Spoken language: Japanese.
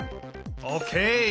オーケー！